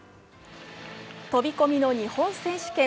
飛込の日本選手権。